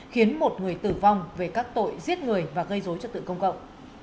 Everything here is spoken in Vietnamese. khiến một người tử vong về các tội giết người và gây dối trật tự công cộng